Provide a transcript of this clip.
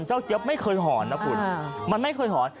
เจ้าเจี๊ยบไม่เคยหอนนะคุณ